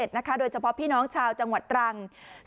๐๖๕๒๐๒๕๙๕๒๗นะคะโดยเฉพาะพี่น้องชาวจังหวัดตลังกู